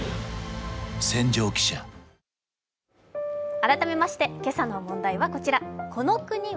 改めまして今朝の問題はこちら。